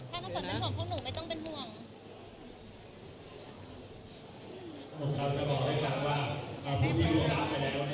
เราต้องไปมาคุยเรื่องการไฟฟ้างานกันบ้าง